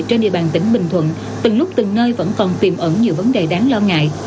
trên địa bàn tỉnh bình thuận từng lúc từng nơi vẫn còn tiềm ẩn nhiều vấn đề đáng lo ngại